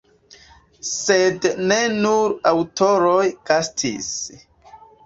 Sed ne nur aŭtoroj gastis.